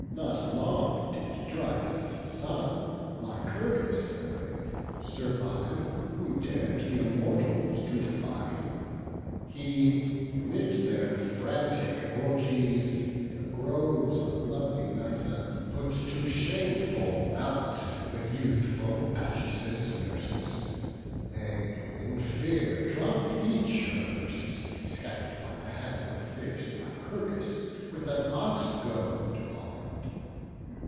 Not long did Dryas' son, Lycurgus brave, Survive, who dar'd th' Immortals to defy: He, 'mid their frantic orgies, in the groves Of lovely Nyssa, put to shameful rout The youthful Bacchus' nurses; they, in fear, Dropp'd each her thyrsus, scatter'd by the hand Of fierce Lycurgus, with an ox goad arm'd.